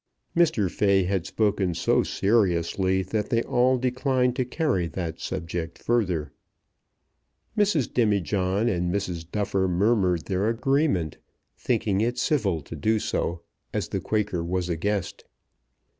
Mr. Fay had spoken so seriously that they all declined to carry that subject further. Mrs. Demijohn and Mrs. Duffer murmured their agreement, thinking it civil to do so, as the Quaker was a guest.